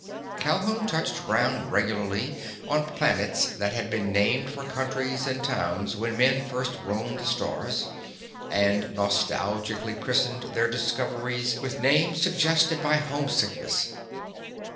Calhoun touched ground regularly on planets that had been named for countries and towns when men first roamed the stars, and nostalgically christened their discoveries with names suggested by homesickness.